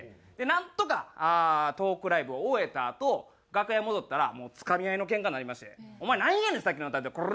なんとかトークライブを終えたあと楽屋へ戻ったらもうつかみ合いのけんかになりまして「お前なんやねんさっきの態度こら！」。